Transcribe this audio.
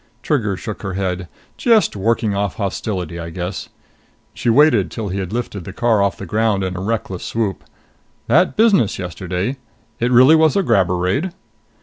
Trigger shook her head. "Just working off hostility, I guess." She waited till he had lifted the car off the ground in a reckless swoop. "That business yesterday it really was a grabber raid?"